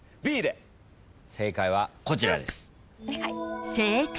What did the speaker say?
正解はこちらです。